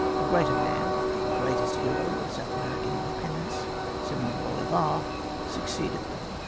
A greater man, the greatest hero of South American independence, Simon Bolivar, succeeded them.